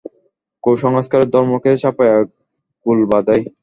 কুসংস্কারই ধর্মকে ছাপাইয়া গোল বাধায়।